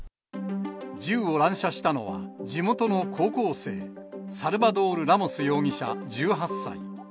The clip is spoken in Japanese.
銃を乱射したのは、地元の高校生、サルバドール・ラモス容疑者１８歳。